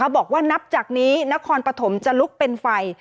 บอกว่านับจากนี้นครปฐมจะลุกเป็นไฟ